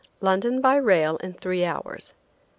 London by rail in three hours.